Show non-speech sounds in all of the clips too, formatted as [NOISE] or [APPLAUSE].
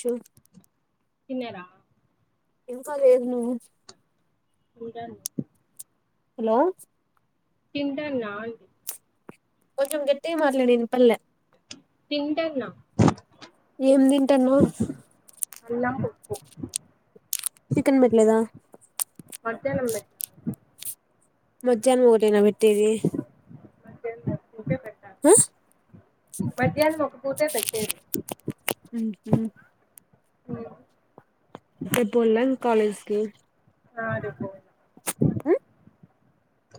షు తిన్నార ఇంకా లేదు నువ్వు తింటానా హలో తింటాన్నాండి కొంచెం గట్టిగా మాట్లాడు వినపల్లె తింటన్నా ఏం తింటాన్నావ్ అన్నం పప్పు చికెన్ బెట్లేదా మధ్యాహ్నం పెట్టినారు మధ్యాహ్నం ఒకటేనా పెట్టేది మధ్యానం వెప్పు హ మధ్యాహ్నం ఒక పూటే పెట్టేది హ్మ్ హ్మ్ లే రేపోవల్ల ఇంకా కాలేజ్కి ఆ రేపు పోవాలా ఆ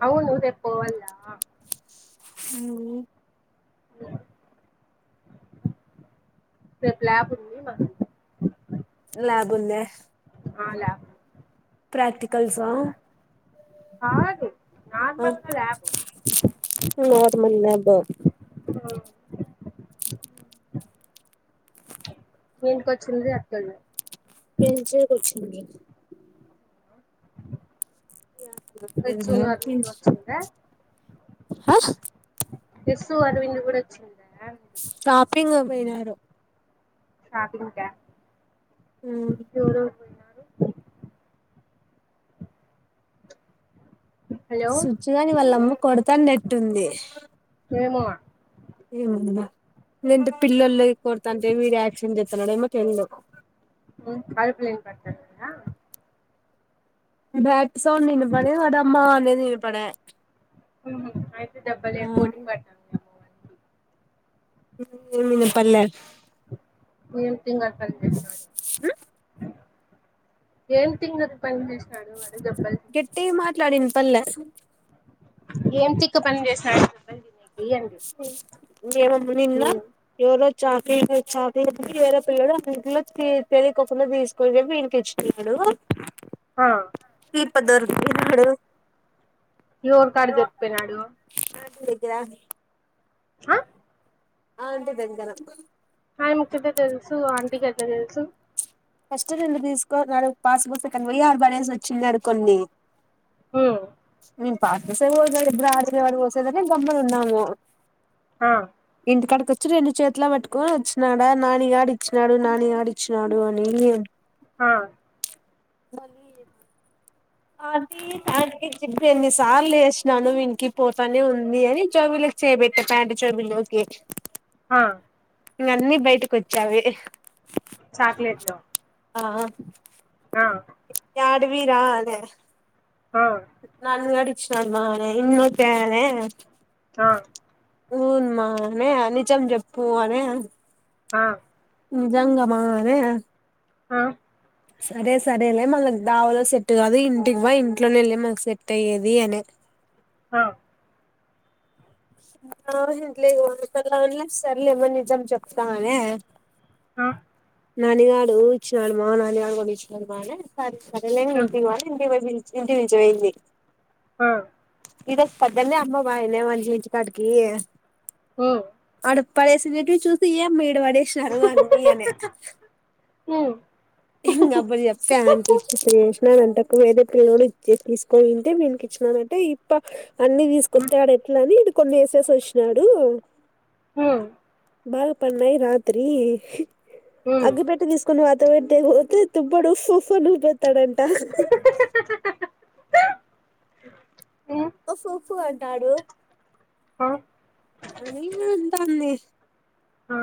అవునుూ రేపు పోవల్లా అ రేపు లాబ్ ఉంది మాక్ ల్యాబ్ అలా క్రాక్ కలుసా కాదు నార్మల్గా ల్యాబ్ నార్మల్ ల్యాబ్ ఆ ఏంటికి వచ్చిండ్రీ అక్కొల్లు పిలిచేకి వచ్చింది ఏం యస్సు అరవింద్ తిన్నావ్ వచ్చిందా ఎస్ అరవింద కూడా వచ్చింది స్టాపు ఎప్పింగ పోయినర షాపింగ్ కా ఎవరెవరు హలో సుచ్చుగాని వాళ్ళమ్మ కొడతానట్టుంది ఏమో ఏమంద లేంటే పిల్లల్లో కొడతా అంటే వీడి యాక్షన్ చేస్తున్నాడెమో తేలదు అరుపులు ఇన్పడుతున్నాయా బ్యాట్ సౌండ్ వినపడి వాడ అమ్మ అనేది వినపడ అయితే దెబ్బలె కోటింగ్ పడి [INAUDIBLE] వినపడ్ల ఏ తింగరి పని ఏం తింగరీ పని చేసినాడు వాడు దెబ్బలు గట్టిగా తినేకి, మాట్లాడు మాట్లాడు వినపడ్ల ఏం తిక్క పని చేసినడు చెప్పండి నే నిన్న ఎవరో చాక్లెట్ చాక్లెట్ వేరే పిల్లడు అంట్లో తెలియకుండా తీసుకోనీ వీనీకి ఇచ్చన్నాడు హా దొరికినడు ఎవరికడ దొరికిపోయినాడు గ్రా హ ఆ ఇంటి దగ్గర ఆయ ముచ్చట తెలుసు ఆంటీకి ఎట్లా తెలుసు ఫస్ట్ నిను తీసుకో అన్నాడు పాస్ బుకు కానీ వెయ్యి ఆడ పడసి వచ్చినాడు కొన్ని హ హమ్ పాస్ బుక్ [UNINTELLIGIBLE] నేను గమ్మున ఉన్నాము ఆ ఇందుకడకి వచ్చి రెండు చేతిల పట్టుకొని వచ్చినాడా నానిగాడి ఇచ్చినాడు నానిగాడి ఇచ్చినాడు ఏమ్ లేదు ఆ మళ్ళీ చేయనా అది ప్యాంట్కి జిబ్ ఎన్ని సార్లు వేసినాను వినికి పోతానే ఉంది అని చెబులోకి చేయబెట్టా ప్యాంట్ చెబులోకి హ ఇవి అన్నీ బయటకి వచ్చావే చాక్లెట్లు ఆ ఆ ఆ అడవి కదే ఆ నాలుగు గడి ర్ మ ఇన్నక్కాలే ఆ ఉవునుమా అనే నిజం చెప్పు అనే ఆ జంగమారే ఆ సరే సరేలే మనకు దావలో సెట్ కాదు ఇంటికి పోయి ఇంట్లోనే వెళ్ళి మనకు సెట్ అయ్యేది అని ఆ ఇట్లే వాలా సర్లేమని నిజాం చెప్తానే ఆ నానిగాడు ఇచ్చినాడు మా నానిగాడు కూడా ఇచ్చినాడు మా సరేలే నేను ఇంటికి పోయా ఇంటికి పోయే ఇంటికి పిలిచిపోయింది ఆ ఇది పొద్దున్నే అమ్మ బాయినే మంచి తాటికి హ పడేసినట్టు చూసి ఏమీ బ పడేసినారు అన్ని అనే ఉమ్ ఇంక అబడు చెప్పా అంట ఇ చేసినంట వేరే పిల్లడోచ్చి తీసుక ఇంతే మీకి ఇచ్చిననంటే ఇప్ప అనీ తీసుకొస్తే ఆడ ఎట్లా అని ఇ కొన్ని వేసేసి వచ్చినాడు హమ్ బాగా పన్నాయే రాత్రి అగ్గి పెట్టె తీసుకుని వా తప్పడు ఉఫు ఉఫు అని ఊదుతాడు హా హా హా హా హా హా ఉప్ ఉ ఉప్ ఉ అంటాడు ఆ అని అంతాది ఆ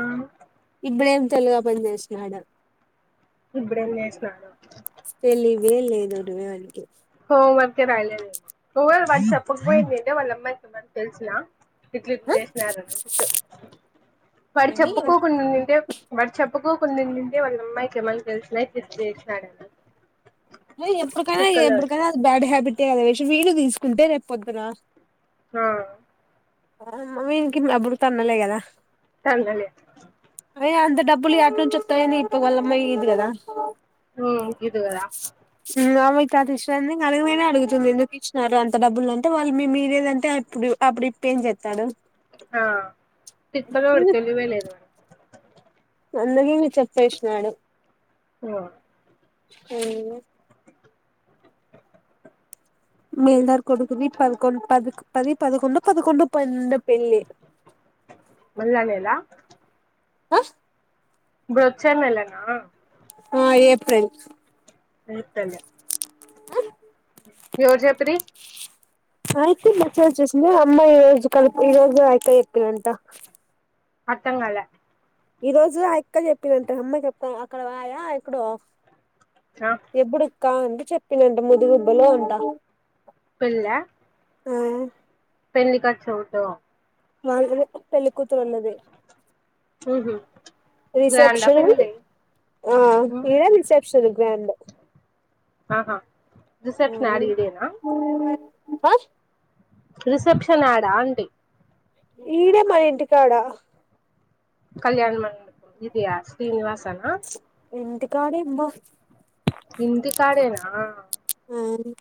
ఇప్పుడేం తెలువదు ఏం పని చేసినాడు ఇప్పుడెం చేస్తున్నాడు ఏం లేదు ఉద్యోగానికి ఓ వన్ కే బయలుదేరింద్రూ ఓ వాట్సప్ పోయిందే వాళ్ళ అమ్మాయికి మరి తెల్సున ఇట్లు ఇట్లు ఆ చేసినారు వాడు ఏమి చెప్పుకోకుండా ఉండి ఉంటే వాడి చెప్పు ఒక్కో కొన్నింటీనీ నుండే వాళ్ళ అమ్మాయికి ఏమని తెలిసినయి చేసినాదంట ఏ ఎప్పుడుకైనా ఎప్పుడుకైనా బ్యాడ్ హ్యాబిటే అది వేసి వీళ్లు తీసుకుంటే రేపు పొద్దునా ఆ మమ్మీ ఈనికి అప్పుడు తన్నులే కదా తన్నులే అవే అంత డబ్బులు ఎట్ నుంచి వోత్త యని ఇప్పడు వాళ్లమ్మ ఇదు గాదా హ్ అడి గిద్ది గాదా ఆ అమ్మాయి అది ఇచ్చారని అలగైనా అడుగుతుంది. ఎందుకు ఇచ్చినారు అంత డబ్బులు అంటే వాళ్ళు మీరేదంటే ఇప్పుడు అప్పుడు ఏం చెత్తడు ఆ తిక్కలోడు ఇంగ తెలివే లేదు వాడికి అందుకే ఇగ చెప్పేసినాడు ఆ మేల్దార్ కొడుకుది పదికొం పది పది పదకొండో పదకొండో పన్నెడో పెళ్ళి మళ్ళ నెలా ఆ ఇప్పుడొచ్చే నెలనా ఆ ఏప్రిల్ ఏప్రిల్ ఎవరు చెప్పిరి ఆయితే మచ్చా చూసిన అమ్మయి ఏజ్ కలిపి ఈ రోజు ఆయితే ఇప్పుడూ అంట అర్థంకాలే ఈ రోజు ఆ ఎక్క చెప్పిందంట అమ్మాయి చెప్తాను అక్కడ వాయా ఎక్కడో ఆ ఎప్పుడు క్క అంటే చెప్పిందంట మీది గుబ్బలో ఉంట పెళ్ళా ఆ పెళ్లి ఖర్చు ఎవరిదో వాళ్లదే పెళ్లి కూతురు అన్నదే ఉహు గ్రాండా రిసెప్షన్ పెళ్లి ఆ ఉ ఈడ రిసెప్షన్ సూపర్ గ్రాండ్ ఆహా రిసెప్షన్ యాడ ఈడేనా ఆ రిసెప్షన్ యాడ ఆంటీ ఈడే మన ఇంటి కాడ కళ్యాణ మండపం ఇది యా శ్రీనివాస ఆ నా ఇంటి కాడ ఏ బ్బా ఇంటి కాడేనా మార్నింగ్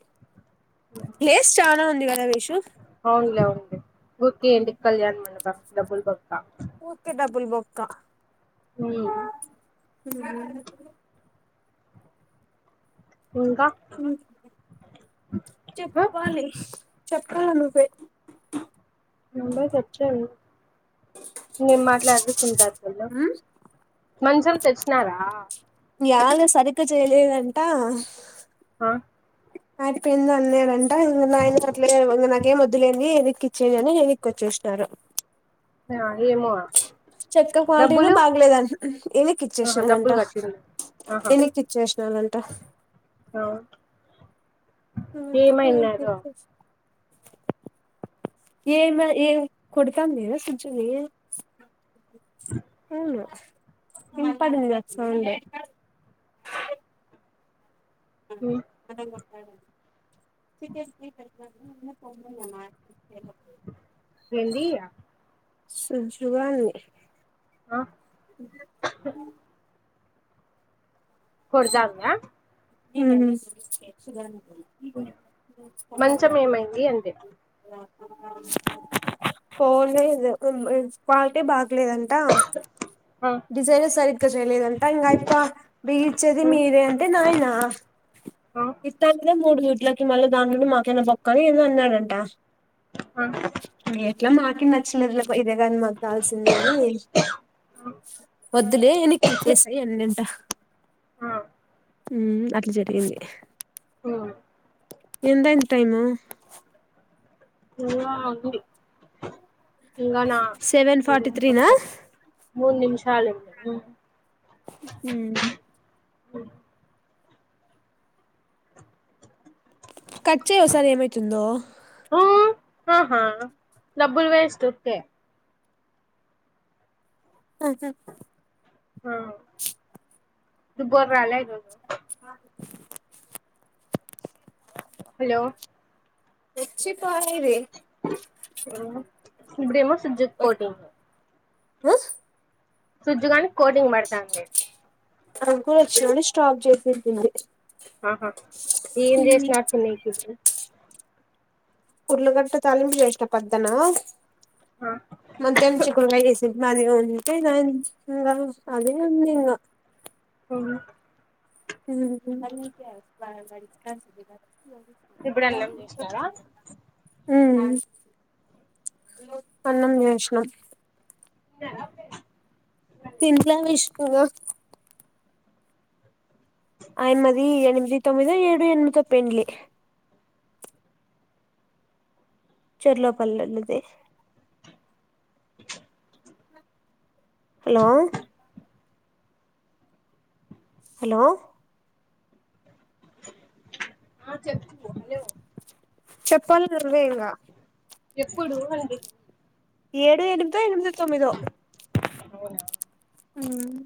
ప్లేస్ చాలా ఉంది అదే కదా, వైషు అవునులే అవునులే ఊర్కనె ఎందుకు కళ్యాణమండపం డబ్బులు బొ ఊర్కే డబ్బులు బొ క్క హ్మ్మ్ మ్మ్ [UNINTELLIGIBLE] ఇంకా మ్మ్ ఆ చెప్పాలి. చెప్ ప్పాలి నువ్వే నువ్వే చెప్పాలి ఏం మాట్లాడికుచ్చుంటారు ఫోన్ లో మంచం తెచ్చినారా యాల సరిగ్గా చేయలేదంట ఆ అయిప్పెందో అన్నాడంట ఇంగ [UNINTELLIGIBLE] మాకేమి వద్దులెండి ఎనిక్కిచ్చేయ్ అని ఎనిక్కొచ్చేసినాడంట మీ నాన్న చెత్త క్వాలిటీను బాగలేదంట ఆహా ఎనిక్కిచ్చేసినారంట డబ్బులు కట్టింది ఆహా ఎనిక్కిచ్చేసినారంట ఆ ఏమైనాదో [UNINTELLIGIBLE] ఏ మా ఏం కొడతాంది కదా సుజుని హలో వినపడిందా సౌండ్ ఉమ్ [UNINTELLIGIBLE] ఏందీ సుజ్జువాని ఆ కొడతాందా [UNINTELLIGIBLE] ఏడ్చిందా మంచం ఏమైంది అంటి ఫోన్ నీ దగ్గరి నుంచి క్వాలిటీ బాగ్ లేదంట ఆ డిజైనే సరిగ్గా చేయలేదంటా ఇంగ ఆయ్ప్ప మే ఎంది ఉమ్ మీరేంటి నా ఎ ఆ ఇస్తాను కదా మూడు జూట్లకి మళ్ళీ దాం నుండి మాకేనా బొక్కని అని ఏందో అన్నాడంట. ఆ ఎట్లా మాకి నచ్చిన ఇదే కాని మాకు కాల్సింది అని, వద్దులే ఎనక్కిచ్చసాయి అన్నంట ఆ ఉ అట్లా జరిగింది మ్ ఎంతా అయింది టైము [UNINTELLIGIBLE] ఇంగాణ సెవెన్ ఫార్టీ త్రీనా పది మూడు నిమిష చాలద మ్ అ కచ్చయి ఒకసారి ఏమైతుందో హా డబ్బుల్ వేస్ట్ కే అఓక ఆ ద బర అల ఇ అ హలో వచ్చ పడిరి ఇమ జిక్ పోటి హ స్విజు కానికి కోటింగ్ పడతాను నను అ కూడా వచ్చినని స్టాప్ చేసింటంది ఆహా ఏం దేస్ నాడుతునయిత ఉరుళగట్ట తాలింపు చేసిన పద్దనా మన తె చె కూడా మది ఉంటే అదే ఉంది గా కోరు మ మ ఇప్పుడు అన్నం చేసినారా మ్ అన్నం చేసినం తిన్నారా అప్పుడే తింట్లేనే ఇష్టంగా అయినది ఎ ఏనిమిది తొమ్మిది ఏడు ఎనిమిదో పెళ్ళి చర్లపల్లి వెళ్ళితే హలో హలో ఆ చెప్పు హలో చెప్పాలి నువ్వే ఇంగ ఎప్పుడు అండి ఏడు ఎనిమిది ఎంత ఎనిమిదో తొమ్మిదో అవునా హుమ్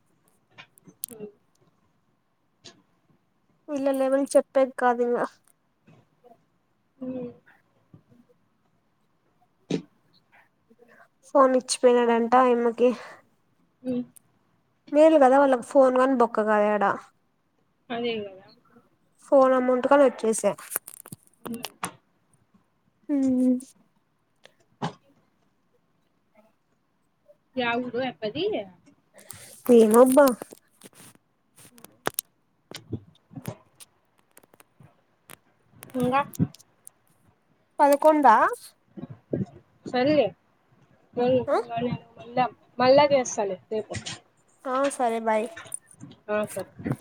ఉ ఇల్ల లేవని చెప్పెక్ కాదు ఇంక హుమ్ ఉ ఫోన్ ఇచ్చిపోయినడంట ఆయమ్మకి హుమ్ మేల్ కదా వాళ్ళకి ఫోన్ కాని బొక్క కాద్ యాడ అదే గదా ఫోన్ అమౌంట్ గాని వచ్చేసా హుమ్ హుమ్ య ఊ గు పదీ ఎమోబ్బా ఇంగ పదకొండా ఆ సర్లే హుమ్ మనం వెళ్దాం మల్లా చేస్తాలే రేపు ఆ సరే బాయ్ ఆ సరే